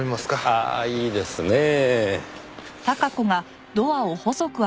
ああいいですねぇ。